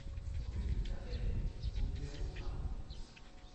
Rue de Kergadec au numéro quarante et un